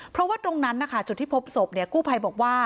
เพราะว่าตรงนั้นนะคะจุดที่พบศพกู้ภัยบอกว่า